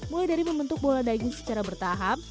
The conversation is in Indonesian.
mulai dari membentuk bola daging secara bertahap